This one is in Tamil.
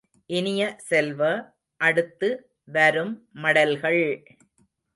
இனிய செல்வ, அடுத்து வரும் மடல்கள்!